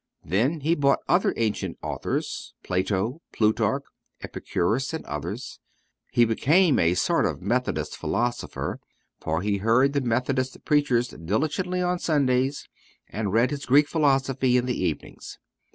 Then he bought other ancient authors, Plato, Plutarch, Epicurus, and others. He became a sort of Methodist philosopher, for he heard the Methodist preachers diligently on Sundays, and read his Greek philosophy in the evenings.